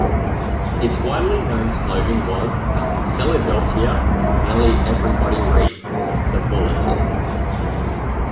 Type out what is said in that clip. Its widely known slogan was: "In Philadelphia, nearly everybody reads "The Bulletin".